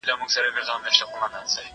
زه اجازه لرم چي کتابتون ته راشم؟